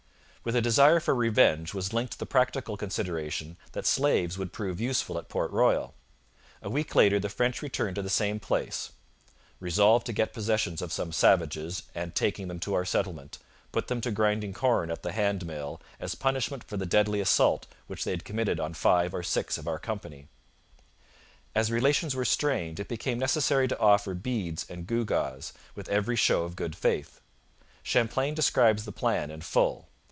With a desire for revenge was linked the practical consideration that slaves would prove useful at Port Royal. A week later the French returned to the same place, 'resolved to get possession of some savages and, taking them to our settlement, put them to grinding corn at the hand mill, as punishment for the deadly assault which they had committed on five or six of our company.' As relations were strained, it became necessary to offer beads and gewgaws, with every show of good faith. Champlain describes the plan in full.